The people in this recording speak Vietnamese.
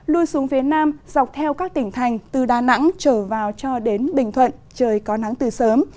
lui xuống phía nam dọc theo các tỉnh thành từ đà nẵng trở vào cho đến bình thuận trời có nắng từ sớm